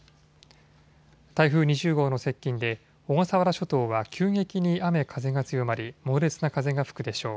台風２０号の接近で小笠原諸島は急激に雨風が強まり猛烈な風が吹くでしょう。